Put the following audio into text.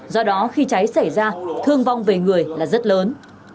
do đó khi cháy xảy ra thương vong về người là rất lớn